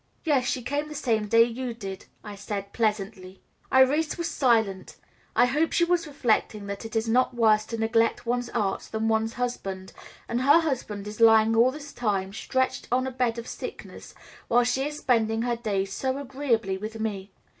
"Yes, she came the same day you did," I said pleasantly. Irais was silent. I hope she was reflecting that it is not worse to neglect one's art than one's husband, and her husband is lying all this time stretched on a bed of sickness, while she is spending her days so agreeably with me.